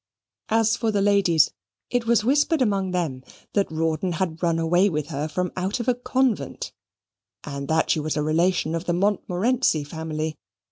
As for the ladies, it was whispered among them that Rawdon had run away with her from out of a convent, and that she was a relation of the Montmorency family.